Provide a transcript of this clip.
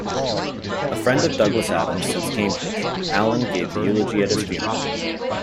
A friend of Douglas Adams since Cambridge, Allen gave the eulogy at his funeral.